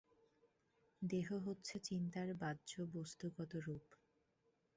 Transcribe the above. দেহ হচ্ছে চিন্তার বাহ্য বস্তুগত রূপ।